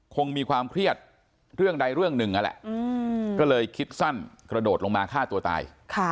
คงมีความเครียดเรื่องใดเรื่องหนึ่งนั่นแหละก็เลยคิดสั้นกระโดดลงมาฆ่าตัวตาย